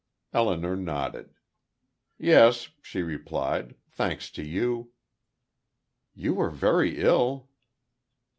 Elinor nodded. "Yes," she replied. "Thanks to you." "You were very ill."